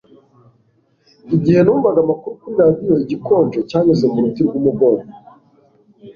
Igihe numvaga amakuru kuri radiyo igikonje cyanyuze mu ruti rw'umugongo